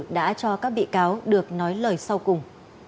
đã cho các bị cáo được nói lời sau cùng